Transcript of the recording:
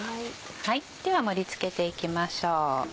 では盛り付けていきましょう。